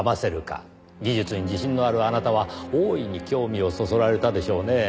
技術に自信のあるあなたは大いに興味をそそられたでしょうねぇ。